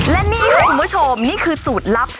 และนี่ค่ะคุณผู้ชมนี่คือสูตรลับ